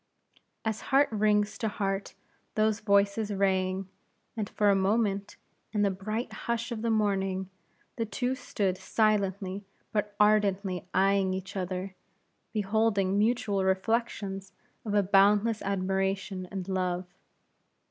As heart rings to heart those voices rang, and for a moment, in the bright hush of the morning, the two stood silently but ardently eying each other, beholding mutual reflections of a boundless admiration and love.